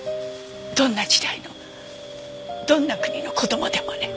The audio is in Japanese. どんな時代のどんな国の子供でもね。